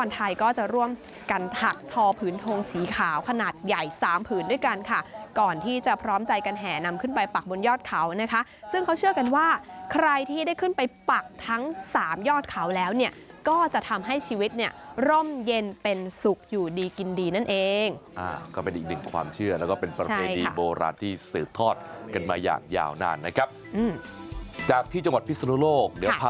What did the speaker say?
ไทยก็จะร่วมกันถักทอผืนทงสีขาวขนาดใหญ่สามผืนด้วยกันค่ะก่อนที่จะพร้อมใจกันแห่นำขึ้นไปปักบนยอดเขานะคะซึ่งเขาเชื่อกันว่าใครที่ได้ขึ้นไปปักทั้งสามยอดเขาแล้วเนี่ยก็จะทำให้ชีวิตเนี่ยร่มเย็นเป็นสุขอยู่ดีกินดีนั่นเองก็เป็นอีกหนึ่งความเชื่อแล้วก็เป็นประเพณีโบราณที่สืบทอดกันมาอย่างยาวนานนะครับจากที่จังหวัดพิศนุโลกเดี๋ยวผ